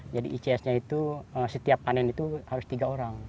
jadi ics nya itu setiap panen itu harus tiga orang